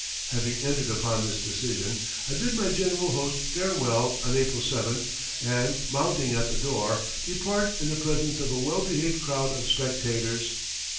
Having entered upon this decision, I bid my genial host farewell on April 7th, and mounting at the door, depart in the presence of a well behaved crowd of spectators.